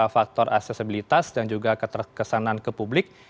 faktor aksesibilitas dan juga kekesanan ke publik